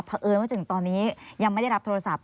เพราะเอิญว่าถึงตอนนี้ยังไม่ได้รับโทรศัพท์